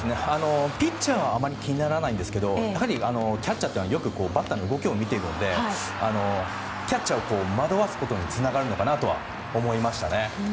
ピッチャーはあまり気にならないんですけどやはりキャッチャーというのはバッターの動きをよく見ているのでキャッチャーを惑わすことにつながるのかなとは思いましたね。